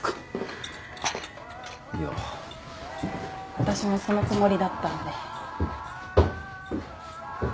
私もそのつもりだったんで。